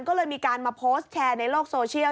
ก็เลยมีการมาโพสต์แชร์ในโลกโซเชียล